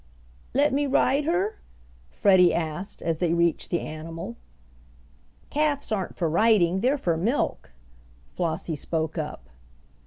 "Let me ride her?" Freddie asked, as they reached the animal. "Calfs aren't for riding, they're for milk," Flossie spoke up.